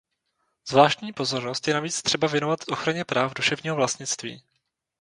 Zvláštní pozornost je navíc třeba věnovat ochraně práv duševního vlastnictví.